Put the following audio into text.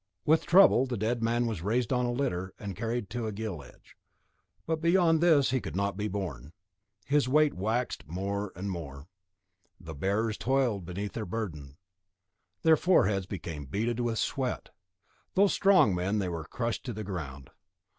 With trouble the dead man was raised on a litter, and carried to a gill edge, but beyond this he could not be borne; his weight waxed more and more, the bearers toiled beneath their burden, their foreheads became beaded with sweat; though strong men they were crushed to the ground.